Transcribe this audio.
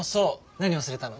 何忘れたの？